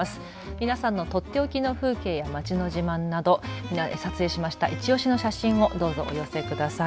皆さんのとっておきの風景や街の自慢など撮影しましたいちオシの写真をどうぞお寄せください。